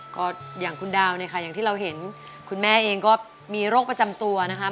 ก็อย่างคุณดาวเนี่ยค่ะอย่างที่เราเห็นคุณแม่เองก็มีโรคประจำตัวนะคะ